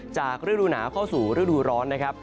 ฤดูหนาวเข้าสู่ฤดูร้อนนะครับ